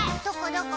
どこ？